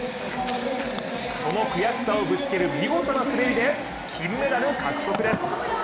その悔しさをぶつける見事な滑りで金メダル獲得です。